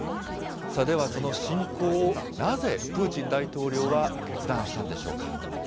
さあ、ではその侵攻をなぜプーチン大統領は決断したんでしょうか。